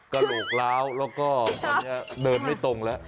กระโหลกล้าวแล้วก็ตอนนี้เดินไม่ตรงแล้ว